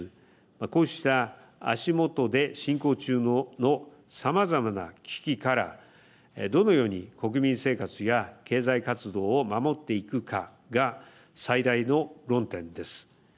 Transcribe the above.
こうした足元で進行中のさまざまな危機からどのように国民生活や経済活動を守っていくかが最大の論点です。